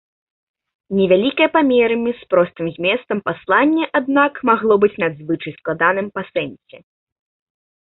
Невялікае памерамі, з простым зместам, пасланне, аднак, магло быць надзвычай складаным па сэнсе.